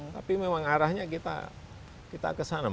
tapi memang arahnya kita kesana